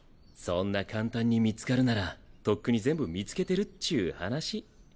そんな簡単に見つかるならとっくに全部見つけてるっちゅう話。